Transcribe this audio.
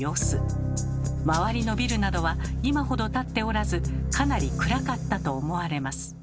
周りのビルなどは今ほど建っておらずかなり暗かったと思われます。